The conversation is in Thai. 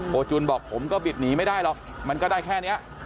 จุนบอกผมก็บิดหนีไม่ได้หรอกมันก็ได้แค่นี้